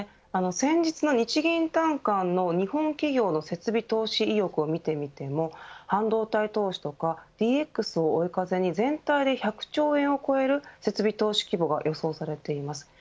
先日の日銀短観の日本企業の設備投資意欲を見ても半導体投資とかＤＸを追い風に全体で１００兆円を超える設備投資規模が予想されています。